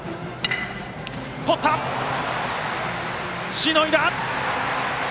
しのいだ！